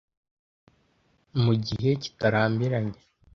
mu gihe kitarambiranye